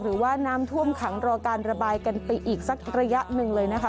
หรือว่าน้ำท่วมขังรอการระบายกันไปอีกสักระยะหนึ่งเลยนะคะ